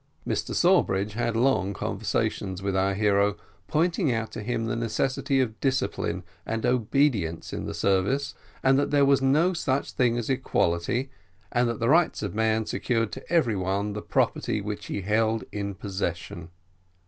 Mr Sawbridge had long conversations with our hero, pointing out to him the necessity of discipline and obedience in the service, and that there was no such thing as equality, and that the rights of man secured to every one the property which he held in possession.